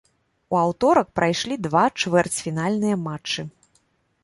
У аўторак прайшлі два чвэрцьфінальныя матчы.